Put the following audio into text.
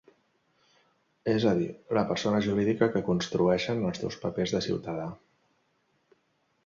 És a dir, la persona jurídica que construeixen els teus papers de ciutadà.